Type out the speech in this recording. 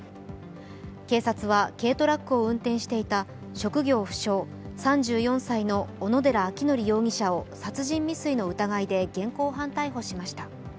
警察は軽トラックを運転していた職業不詳、３４歳の小野寺章仁容疑者を殺人未遂の疑いで現行犯逮捕しました。